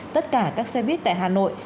tất cả các xe buýt tại hà nội